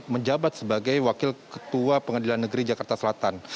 menjabat sebagai wakil ketua pengadilan negeri jakarta selatan